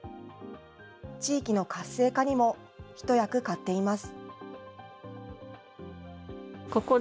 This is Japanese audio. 地域の活性化にも一役買っています。